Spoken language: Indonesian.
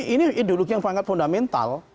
ini ideologi yang sangat fundamental